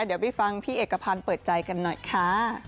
เดี๋ยวไปฟังพี่เอกพันธ์เปิดใจกันหน่อยค่ะ